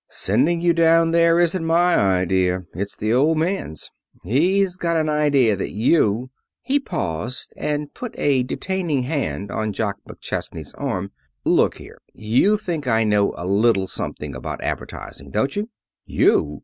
"Sending you down there isn't my idea. It's the Old Man's. He's got an idea that you " He paused and put a detaining hand on Jock McChesney's arm. "Look here. You think I know a little something about advertising, don't you?" "You!"